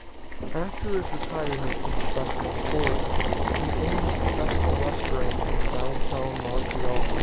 After his retirement from professional sports, he owned a successful restaurant in downtown Montreal.